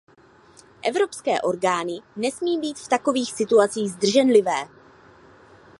Evropské orgány nesmí být v takových situacích zdrženlivé.